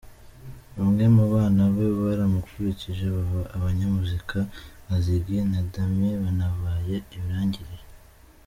Bamwe mu bana be, baramukurikije baba amanyamuzika nka Ziggy na Damian banabaye ibirangirire.